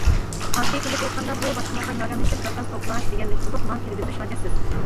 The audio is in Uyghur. ئاددىي قىلىپ ئېيتقاندا، بۇ باشقىلارغا ياردەملىشىپ زاكاز توپلاش، دېگەنلىك بولۇپ مال كىرگۈزۈش ھاجەتسىز.